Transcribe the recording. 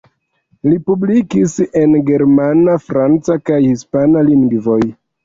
Li publikis en germana, franca kaj hispana lingvoj.